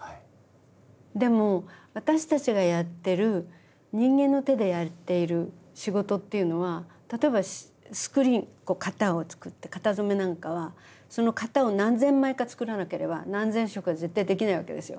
でも私たちがやってる人間の手でやっている仕事っていうのは例えばスクリーンこう型を作って型染めなんかはその型を何千枚か作らなければ何千色は絶対できないわけですよ。